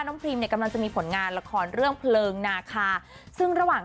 พรีมเนี่ยกำลังจะมีผลงานละครเรื่องเพลิงนาคาซึ่งระหว่าง